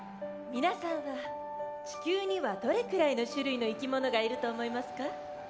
皆さんは地球にはどれくらいの種類のいきものがいると思いますか？